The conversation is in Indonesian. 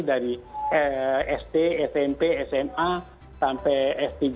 dari sd smp sma sampai s tiga